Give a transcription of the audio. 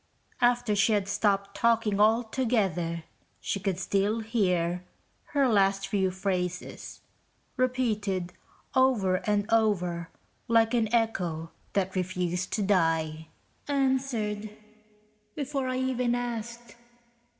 After she had stopped talking altogether, she could still hear her last few phrases, repeated over and over, like an echo that refused to die. (Answered ... before I even asked